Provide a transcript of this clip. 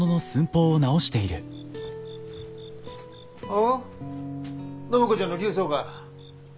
おっ暢子ちゃんの琉装か。